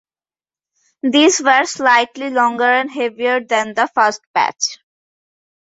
These were slightly longer and heavier than the first batch.